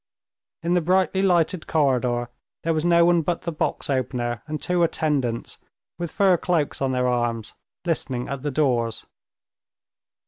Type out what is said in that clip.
In the brightly lighted corridor there was no one but the box opener and two attendants with fur cloaks on their arms listening at the doors.